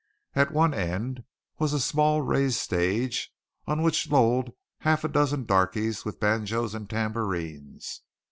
At one end was a small raised stage on which lolled half dozen darkies with banjos and tambourines.